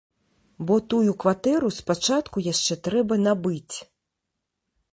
Бо тую кватэру спачатку яшчэ трэба набыць.